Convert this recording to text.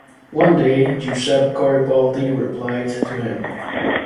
One day, Giuseppe Garibaldi replied to him.